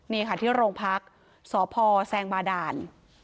นี่ค่ะที่โรงพักษ์สพแซงบาด่าน